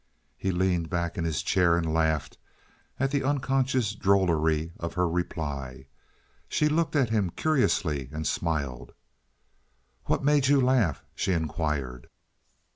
He leaned back in his chair and laughed at the unconscious drollery of her reply. She looked at him curiously, and smiled. "What made you laugh?" she inquired.